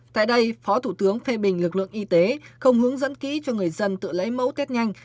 tại đây phó thủ tướng phê bình lực lượng y tế không hướng dẫn kỹ cho người dân tự lấy mẫu test nhanh